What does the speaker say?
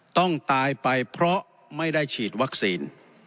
ต้องตายไปเพราะไม่ได้ฉีดวัคซีน